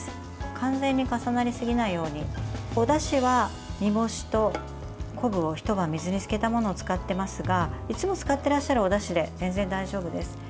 完全に重なりすぎないようにおだしは煮干しと昆布をひと晩、水につけたものを使っていますがいつも使っていらっしゃるおだしで全然大丈夫です。